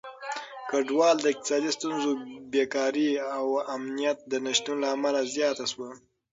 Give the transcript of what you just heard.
کډوالي د اقتصادي ستونزو، بېکاري او امنيت د نشتون له امله زياته شوه.